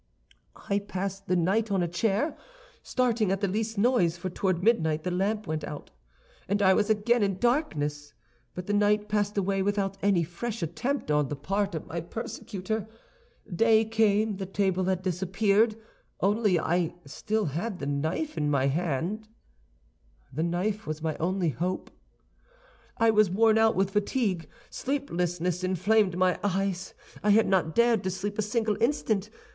"I passed the night on a chair, starting at the least noise, for toward midnight the lamp went out, and I was again in darkness. But the night passed away without any fresh attempt on the part of my persecutor. Day came; the table had disappeared, only I had still the knife in my hand. "This knife was my only hope. "I was worn out with fatigue. Sleeplessness inflamed my eyes; I had not dared to sleep a single instant.